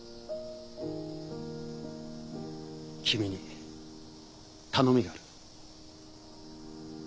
君に頼みがある。